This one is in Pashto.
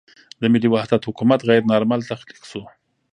د ملي وحدت حکومت غیر نارمل تخلیق شو.